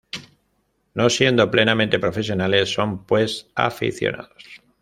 No siendo "plenamente "profesionales", son pues "aficionados".